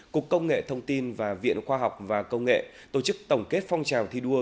cục công nghệ thông tin và viện khoa học và công nghệ tổ chức tổng kết phong trào thi đua